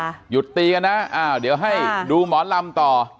หยุดตีกันนะอ้าวเดี๋ยวให้ดูหมอลำต่อ